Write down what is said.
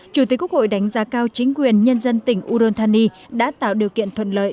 chủ tịch quốc hội đánh giá cao chính quyền nhân dân tỉnh udon thani đã tạo điều kiện thuận lợi